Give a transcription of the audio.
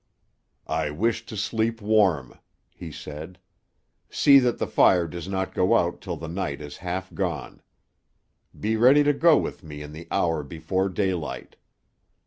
"I wish to sleep warm," he said. "See that the fire does not go out till the night is half gone. Be ready to go with me in the hour before daylight.